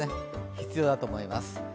必要だと思います。